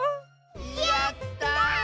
やった！